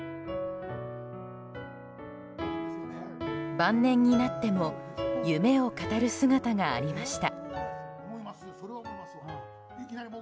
晩年になっても夢を語る姿がありました。